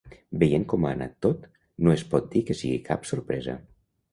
Veient com ha anat tot, no es pot dir que sigui cap sorpresa.